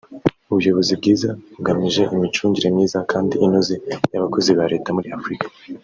‘Ubuyobozi Bwiza bugamije Imicungire Myiza kandi inoze y’Abakozi ba Leta muri Afurika’